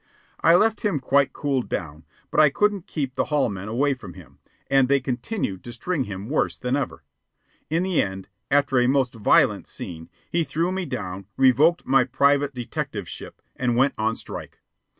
I left him quite cooled down; but I couldn't keep the hall men away from him, and they continued to string him worse than ever. In the end, after a most violent scene, he threw me down, revoked my private detectiveship, and went on strike.